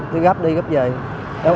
đi gấp đi gấp về